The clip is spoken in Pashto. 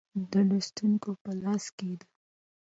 د لوستونکو په لاس کې ده.